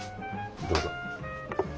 どうぞ。